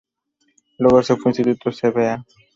Luego se fue a Instituto Cba.